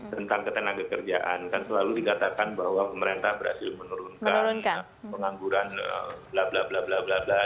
tentang ketenangan pekerjaan kan selalu dikatakan bahwa pemerintah berhasil menurunkan pengangguran bla bla bla bla bla bla dan sebagainya